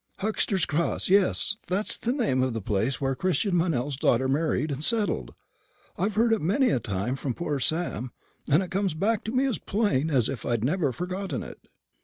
Huxter's Cross; yes, that's the name of the place where Christian Meynell's daughter married and settled. I've heard it many a time from poor Sam, and it comes back to me as plain as if I'd never forgotten it."